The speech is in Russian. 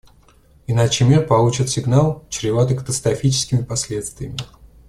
Иначе мир получит сигнал, чреватый катастрофическими последствиями.